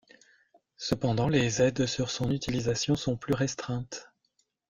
Cependant, les aides sur son utilisation sont plus restreintes.